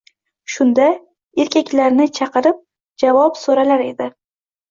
Shunda, erkaklarni chaqirib javob so‘ralar edi.